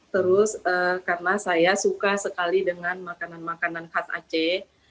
terus karena saya suka sekali dengan makanan makanan khas aceh